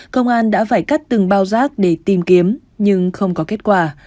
công an đã phải cắt từng bao rác để tìm kiếm nhưng không có kết quả